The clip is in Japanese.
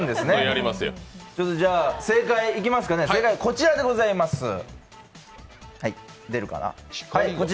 正解はこちらでございます。